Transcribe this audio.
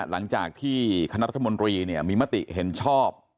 หลังจากที่คณะรัฐมนตรีมีมติเห็นชอบ